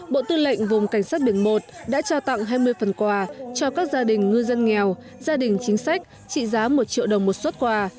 bộ tư lệnh vùng cảnh sát biển một đã trao tặng hai mươi phần quà cho các gia đình ngư dân nghèo gia đình chính sách trị giá một triệu đồng một xuất quà